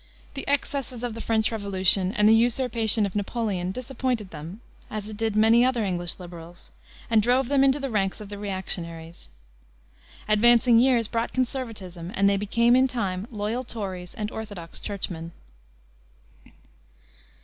The excesses of the French Revolution, and the usurpation of Napoleon disappointed them, as it did many other English liberals, and drove them into the ranks of the reactionaries. Advancing years brought conservatism, and they became in time loyal Tories and orthodox Churchmen.